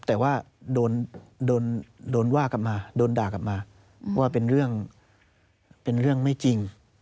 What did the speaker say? แต่ว่าโดนว่ากลับมาโดนด่ากลับมาว่าเป็นเรื่องเป็นเรื่องไม่จริง